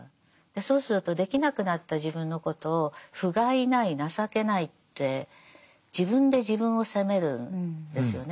そうするとできなくなった自分のことをふがいない情けないって自分で自分を責めるんですよね。